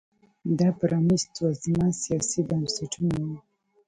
دا پرانیست وزمه سیاسي بنسټونه وو